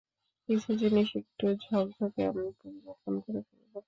কিছু জিনিস একটু ঝক্ঝকে, আমি পরিবর্তন করে ফেলব।